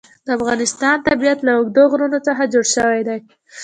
د افغانستان طبیعت له اوږده غرونه څخه جوړ شوی دی.